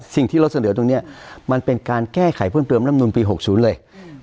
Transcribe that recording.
สิ่งที่เราเสนอตรงนี้มันเป็นการแก้ไขเพิ่มเติมรำนูลปี๖๐เลย